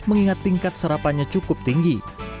mengingat tingkat serapannya cukup tinggi